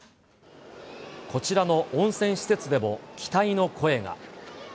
こちらの温泉施設でも、期待の声が。